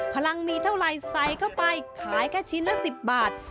พลังมีเท่าไหร่ใส่เข้าไปขายแค่ชิ้นละ๑๐บาท